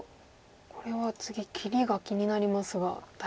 これは次切りが気になりますが大丈夫なんですね。